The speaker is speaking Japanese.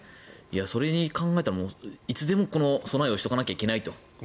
それを考えたらいつでも備えをしておかなきゃいけないと。